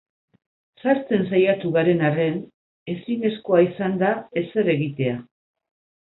Sartzen saiatu garen arren, ezinezkoa izan da ezer egitea.